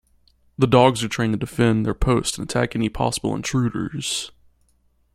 The dogs are trained to defend their post and attack any possible intruders.